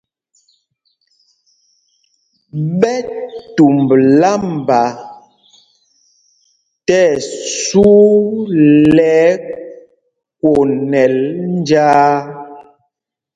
Ɓɛ tumb lámba tí ɛsu lɛ ɛkwonɛl njāā.